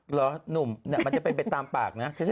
หนุ่มมันจะเป็นไปตามปากนะ